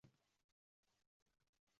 Qo‘rg‘ongacha hali qancha bor?